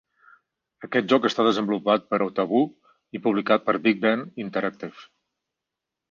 Aquest joc està desenvolupat per Otaboo i publicat per BigBen Interactive.